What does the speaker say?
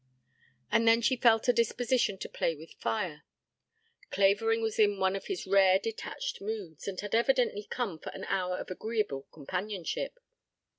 And then she felt a disposition to play with fire. Clavering was in one of his rare detached moods, and had evidently come for an hour of agreeable companionship.